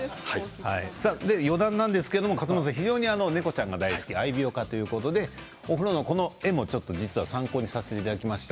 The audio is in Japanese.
余談なんですけれども笠松さんは非常に猫ちゃんが好き愛猫家ということでこの絵も参考にさせていただきました。